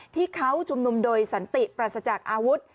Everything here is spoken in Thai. ที่เขาชุมนุมโดยสันติปราศจากอาวุธ